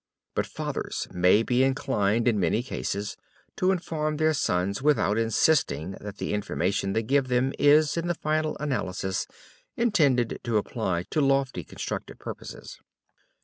But fathers may be inclined, in many cases, to inform their sons without insisting that the information they give them is, in the final analysis, intended to be applied to lofty constructive purposes.